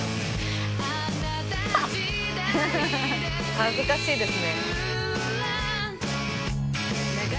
恥ずかしいですね。